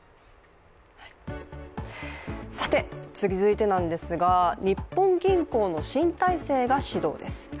続いてですが、日本銀行の新体制が始動です。